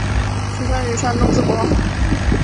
出生于山东淄博。